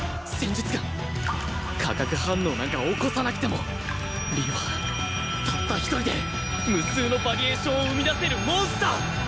化学反応なんか起こさなくても凛はたった一人で無数のバリエーションを生み出せるモンスター！